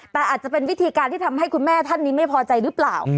แต่อาจจะเป็นวิธีการที่ทำให้คุณแม่ท่านนี้ไม่พอใจหรือเปล่า